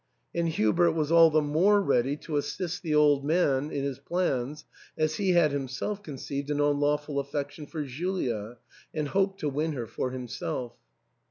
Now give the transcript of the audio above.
And Hubert was all the more ready to assist the old man in his plans as he had himself con ceived an unlawful affection for Julia, and hoped to win her for himself.